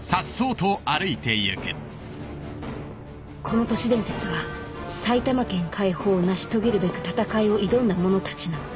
この都市伝説は埼玉県解放を成し遂げるべく戦いを挑んだ者たちの。